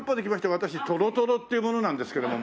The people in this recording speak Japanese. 私とろとろっていう者なんですけれども。